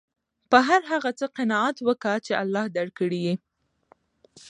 په هر هغه څه قناعت وکه، چي الله درکړي يي.